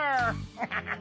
ワハハハ。